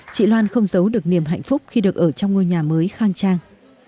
chị loan không giấu được niềm hạnh phúc khi được ở trong ngôi nhà mới khang trang